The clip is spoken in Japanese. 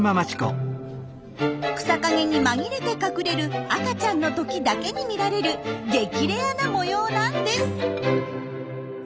草陰に紛れて隠れる赤ちゃんの時だけに見られる激レアな模様なんです。